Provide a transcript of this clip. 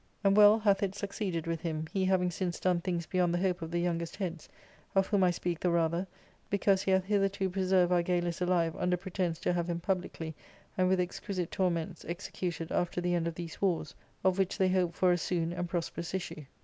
And well hath it succeeded with him, he having since done things beyond the hope of ^ the youngest heads, of whom I speak the rather, because he bath hitherto preserved Argalus alive under pretence to have him publicly, and with exquisite torments, executed after the end of these wars, of which they hope for a soon and prosperous issue.